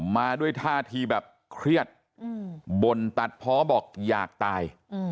มาด้วยท่าทีแบบเครียดบ่นตัดเพาะบอกอยากตาย